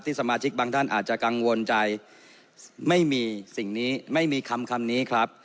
สมาชิกบางท่านอาจจะกังวลใจไม่มีสิ่งนี้ไม่มีคำคำนี้ครับ